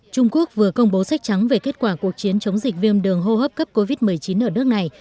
trung quốc vừa công bố sách trắng về kết quả cuộc chiến chống dịch viêm đường hô hấp cấp covid một mươi chín ở nước này